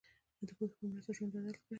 د پوهې په مرسته ژوند بدل کړئ.